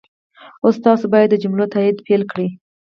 اوس تاسو باید د جملو تایید پيل کړئ.